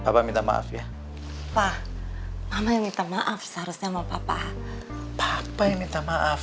ma'am papa minta maaf ya pak mama yang minta maaf seharusnya mau papa papa yang minta maaf